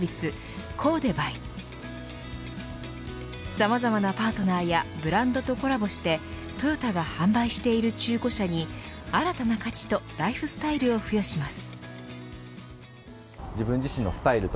さまざまなパートナーやブランドとコラボしているトヨタが販売している中古車に新たな価値とライフスタイルを付与します。